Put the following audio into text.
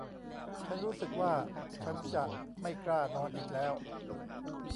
ฉันรู้สึกว่าฉันจะไม่กล้านอนอีกแล้ว !